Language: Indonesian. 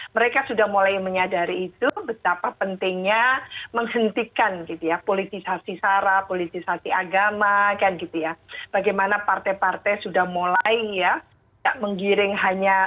mereka sudah mulai menyadari itu betapa pentingnya menghentikan politisasi sara politisasi agama bagaimana partai partai sudah mulai ya